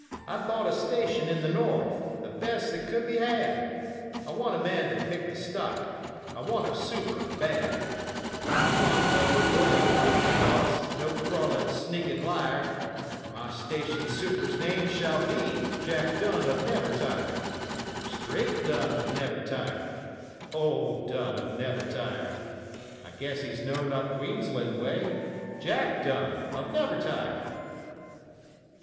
I've bought a station in the North the best that could be had; I want a man to pick the stock I want a super bad; I want no bully brute to boss no crawling, sneaking liar My station super's name shall be 'Jack Dunn of Nevertire'! Straight Dunn of Nevertire, Old Dunn of Nevertire; I guess he's known up Queensland way Jack Dunn of Nevertire.'